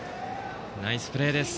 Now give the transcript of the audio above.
ナイスプレーです。